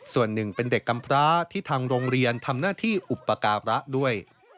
ส่วนหนึ่งเป็นเด็กกำพร้าที่ทางโรงเรียนทำหน้าที่อุปการะด้วย